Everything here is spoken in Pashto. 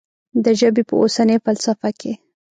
د ژبې په اوسنۍ فلسفه کې.